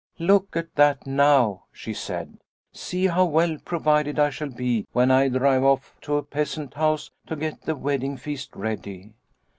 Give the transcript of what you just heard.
"' Look at that now/ she said ;' see how well provided I shall be when I drive off to peasant houses to get the wedding feast ready.'